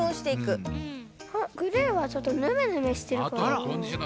グレーはちょっとぬめぬめしてるかな。